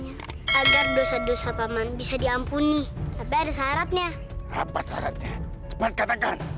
bagi yang gimana caranya agar dosa dosa paman bisa diampuni habis harapnya apa sarannya lewat katakan